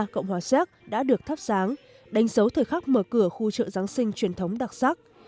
cộng hòa xéc đã được thắp sáng đánh dấu thời khắc mở cửa khu chợ giáng sinh truyền thống đặc sắc